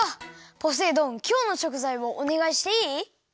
ポセイ丼きょうのしょくざいをおねがいしていい？